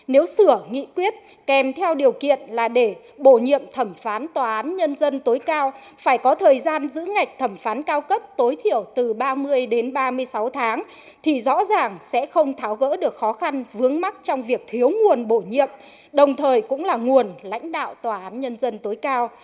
nếu sửa nghị quyết kèm theo điều kiện là để bổ nhiệm thẩm phán tòa án nhân dân tối cao phải có thời gian giữ ngạch thẩm phán cao cấp tối thiểu từ ba mươi đến ba mươi sáu tháng thì rõ ràng sẽ không tháo gỡ được khó khăn vướng mắt trong việc thiếu nguồn bổ nhiệm đồng thời cũng là nguồn lãnh đạo tòa án nhân dân tối cao